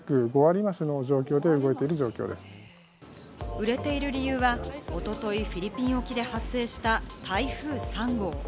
売れている理由は、おとといフィリピン沖で発生した台風３号。